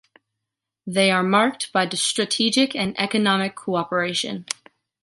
They are marked by strategic and economic cooperation.